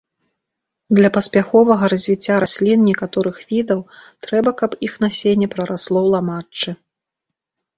Для паспяховага развіцця раслін некаторых відаў трэба, каб іх насенне прарасло ў ламаччы.